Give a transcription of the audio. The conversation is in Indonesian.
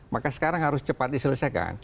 maka sekarang harus cepat diselesaikan